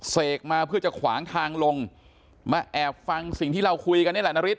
เสกมาเพื่อจะขวางทางลงมาแอบฟังสิ่งที่เราคุยกันนี่แหละนาริส